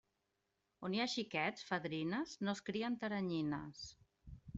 On hi ha xiquets, fadrines, no es crien teranyines.